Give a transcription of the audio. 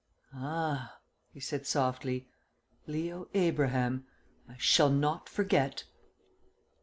"Ah!" he said softly. "Leo Abraham! I shall not forget!"